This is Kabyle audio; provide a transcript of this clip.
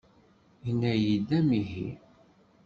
Yenna-iyi-d amihi!